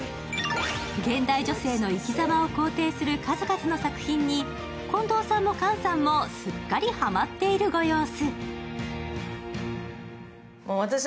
現代女性の生き様を肯定する数々の作品に近藤さんも菅さんもすっかりハマっているご様子。